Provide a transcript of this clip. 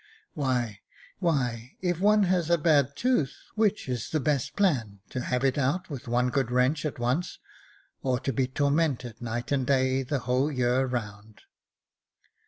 Why, if one has a bad tooth, which is the best plan, to have it out with one good wrench at once, or to be tormented night and day the whole year round